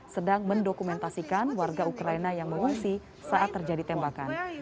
sedang mendokumentasikan warga ukraina yang mengungsi saat terjadi tembakan